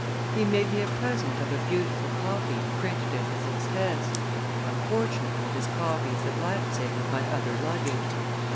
He made me a present of a beautiful copy printed at his expense. Unfortunately this copy is at Leipsic with my other luggage.